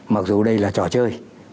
mặc dù đây là trò chơi